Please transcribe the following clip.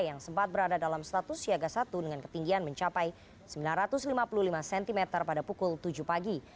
yang sempat berada dalam status siaga satu dengan ketinggian mencapai sembilan ratus lima puluh lima cm pada pukul tujuh pagi